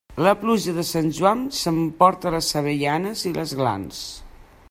La pluja de Sant Joan s'emporta les avellanes i les glans.